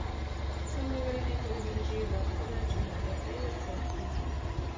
سوداګرۍ د ښاري بودیجې برخه ده چې مالیه پرې ورکول کېږي.